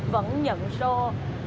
vẫn nhận show